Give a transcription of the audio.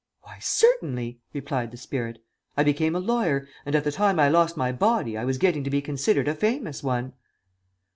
"Why, certainly," replied the spirit; "I became a lawyer, and at the time I lost my body I was getting to be considered a famous one."